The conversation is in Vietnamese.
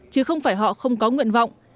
chứ không phải họ không có nguyện vọng